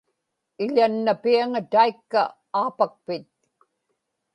iḷannapiaŋa taikka aapakpit